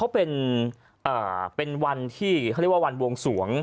เป็นวันว่าวันวงศวง